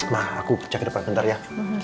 nah aku cek depan nanti ya